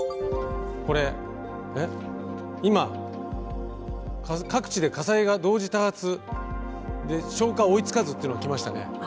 これ今「各地で火災が同時多発消火追いつかず」っていうのが来ましたね。